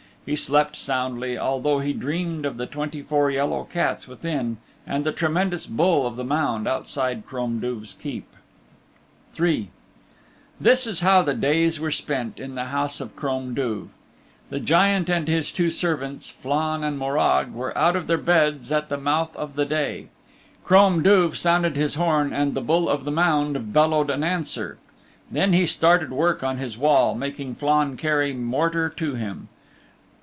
He slept soundly, although he dreamed of the twenty four yellow cats within, and the tremendous Bull of the Mound outside Crom Duv's Keep. III This is how the days were spent in the house of Crom Duv. The Giant and his two servants, Flann and Morag, were out of their beds at the mouth of the day. Crom Duv sounded his horn and the Bull of the Mound bellowed an answer. Then he started work on his wall, making Flann carry mortar to him.